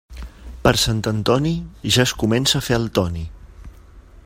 Per Sant Antoni ja es comença a fer el Toni.